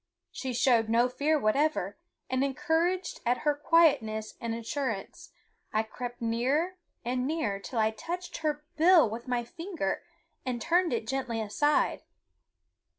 She showed no fear whatever, and encouraged at her quietness and assurance I crept nearer and nearer till I touched her bill with my finger and turned it gently aside.